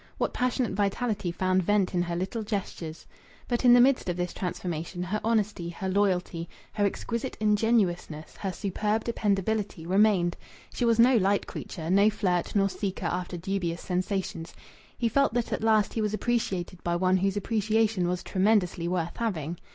What passionate vitality found vent in her little gestures! But in the midst of this transformation her honesty, her loyalty, her exquisite ingenuousness, her superb dependability remained. She was no light creature, no flirt nor seeker after dubious sensations. He felt that at last he was appreciated by one whose appreciation was tremendously worth having.